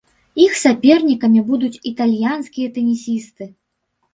Іх сапернікамі будуць італьянскія тэнісісты.